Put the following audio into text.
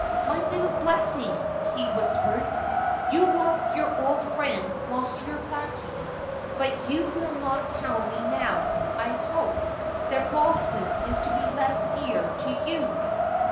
"My little blessing," he whispered. "You loved your old friend, Monsieur Blackie; but you will not tell me now, I hope, that Ralston is to be less dear to you."